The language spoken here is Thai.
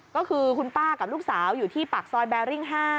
ก็คือคุณป้ากับลูกสาวอยู่ที่ปากซอยแบริ่ง๕